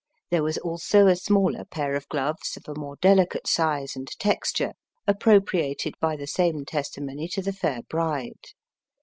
There was also a smaller pair of gloves, of a more delicate size and texture, appropriated by the same testimony to the fair bride.